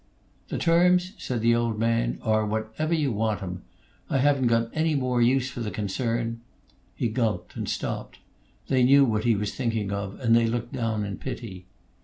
"The terms," said the old man, "are whatever you want 'em. I haven't got any more use for the concern " He gulped, and stopped; they knew what he was thinking of, and they looked down in pity.